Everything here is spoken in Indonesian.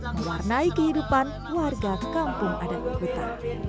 mewarnai kehidupan warga kampung adat kuta